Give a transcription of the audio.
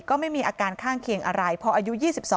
ก็ไม่มีอาการข้างเคียงอะไรพออายุ๒๒